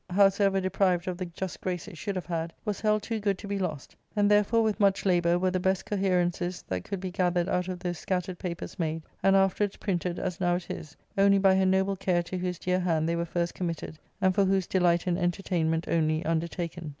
—Book III, howsoever deprived of the just grace it should have had, was held too good to be lost; and therefore with much labour were the best coherencies that could be gathered out of those scattered papers made, and afterwards printed as now it is, only by her noble care to whose dear hand they were first committed, and for whose delight and entertainment only undertaken.